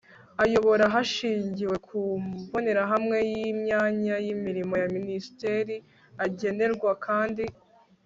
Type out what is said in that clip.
ayobora hashingiwe ku mbonerahamwe y'imyanya y'imirimo ya minisiteri agenerwa kandi